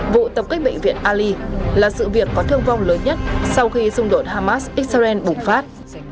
vụ tập kích bệnh viện ali là sự việc có thương vong lớn nhất sau khi xung đột hamas israel bùng phát